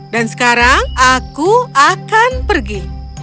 dan sekarang aku akan pergi